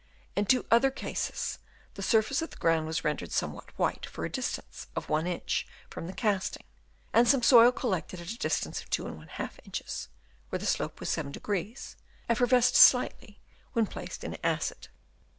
In two other cases the surface of the ground was rendered some what white for a distance of one inch from the casting ; and some soil collected at a dis tance of 2| inches, where the slope was 7°, effervesced slightly when placed in acid.